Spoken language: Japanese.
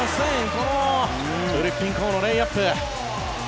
このフリッピン・コーのレイアップ。